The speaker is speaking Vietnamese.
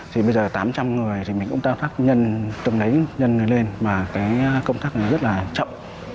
thì bây giờ tám trăm linh người thì mình cũng thao tác tầm lấy nhân người lên mà cái công tác rất là chậm